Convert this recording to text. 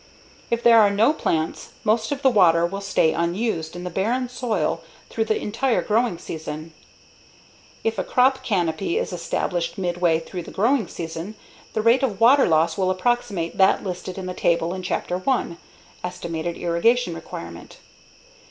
If there are no plants, most of the water will stay unused in the barren soil through the entire growing season. If a crop canopy is established midway through the growing season, the rate of water loss will approximate that listed in the table in Chapter 1 "Estimated Irrigation Requirement."